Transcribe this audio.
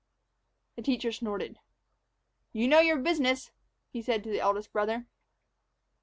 The teacher snorted. "You know your own business," he said to the eldest brother.